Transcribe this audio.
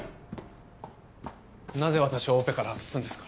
なぜ私をオペから外すんですか？